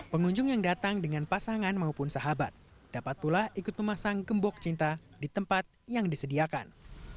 pengunjung yang datang dengan pasangan maupun sahabat dapat pula ikut memasang gembok cinta di tempat yang disediakan